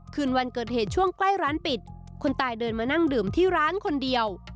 คืนวันเกิดเหตุช่วงใกล้ร้านปิดคนตายเดินมานั่งดื่มที่ร้านคนเดียว